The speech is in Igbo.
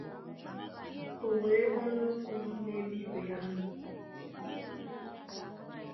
o nwee ọnụ okwu n'ebe ibe ya nọ.